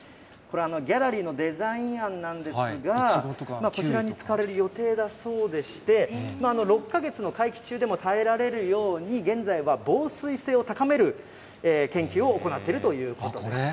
ギャラリーのデザイン案なんですが、こちらに使われる予定だそうでして、６か月の会期中でも耐えられるように、現在は防水性を高める研究を行ってるということです。